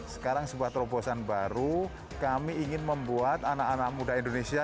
sekarang sebuah terobosan baru kami ingin membuat anak anak muda indonesia